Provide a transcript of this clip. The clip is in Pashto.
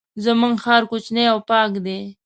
زمونږ ښار کوچنی او پاک دی.